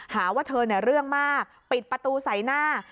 หาว่าเธอเนี่ยเรื่องมากปิดประตูใส่หน้า